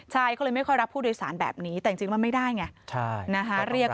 ใช่เขาเลยไม่ค่อยรับผู้โดยสารแบบนี้